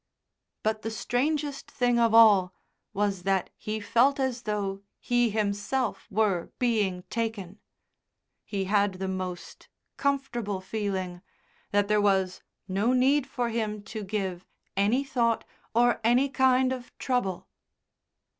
But the strangest thing of all was that he felt as though he himself were being taken. He had the most comfortable feeling that there was no need for him to give any thought or any kind of trouble.